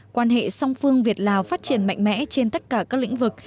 quan hệ song phương việt lào phát triển mạnh mẽ trên tất cả các lĩnh vực